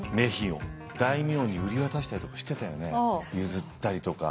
譲ったりとか。